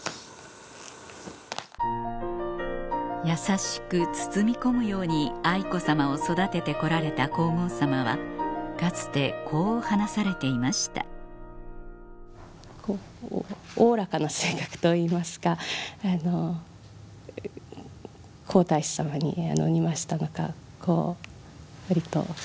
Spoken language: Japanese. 優しく包み込むように愛子さまを育てて来られた皇后さまはかつてこう話されていました割とこう。